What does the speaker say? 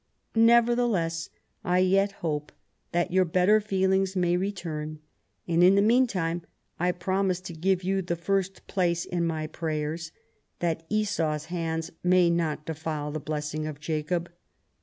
Nevertheless I yet hope that your better feelings may return, and, in the meantime, I promise to give you the first place in my prayers, that Esau's hands may not defile the. blessing of Jacob.